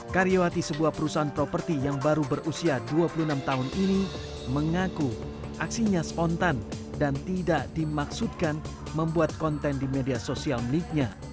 karyawati sebuah perusahaan properti yang baru berusia dua puluh enam tahun ini mengaku aksinya spontan dan tidak dimaksudkan membuat konten di media sosial miliknya